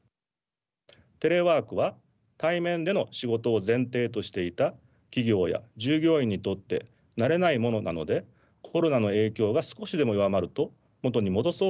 テレワークは対面での仕事を前提としていた企業や従業員にとって慣れないものなのでコロナの影響が少しでも弱まると元に戻そうとする動きが見られます。